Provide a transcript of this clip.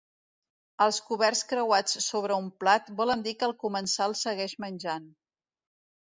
Els coberts creuats sobre un plat volen dir que el comensal segueix menjant.